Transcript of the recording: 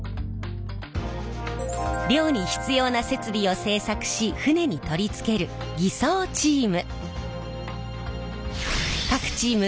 漁に必要な設備を製作し船に取り付ける艤装チーム。